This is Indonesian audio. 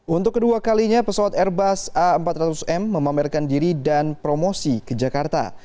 untuk kedua kalinya pesawat airbus a empat ratus m memamerkan diri dan promosi ke jakarta